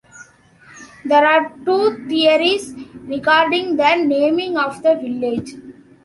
There are two theories regarding the naming of the village.